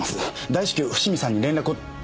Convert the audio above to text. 大至急伏見さんに連絡を。